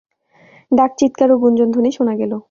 ডাক-চিৎকার ও গুঞ্জনধ্বনি শোনা গেল।